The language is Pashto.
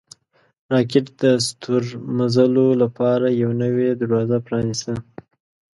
راکټ د ستورمزلو لپاره یوه نوې دروازه پرانیسته